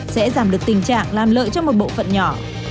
sẽ giảm được tình trạng làm lợi cho một bộ phận nhỏ